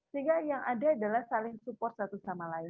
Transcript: sehingga yang ada adalah saling support satu sama lain